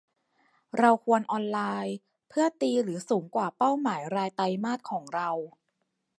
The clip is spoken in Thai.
เราควรออนไลน์เพื่อตีหรือสูงกว่าเป้าหมายรายไตรมาสของเรา